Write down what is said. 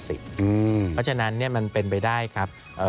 เพราะฉะนั้นมันเป็นไปได้ครับ